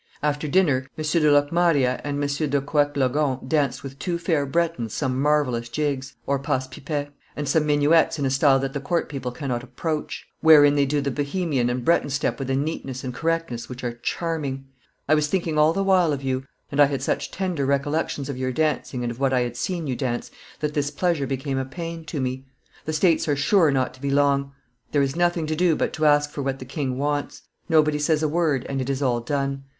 After dinner, M. de Locmaria and M. de Coetlogon danced with two fair Bretons some marvellous jigs (passe pipds) and some minuets in a style that the court people cannot approach; wherein they do the Bohemian and Breton step with a neatness and correctness which are charming. I was thinking all the while of you, and I had such tender recollections of your dancing and of what I had seen you dance, that this pleasure became a pain to me. The States are sure not to be long; there is nothing to do but to ask for what the king wants; nobody says a word, and it is all done.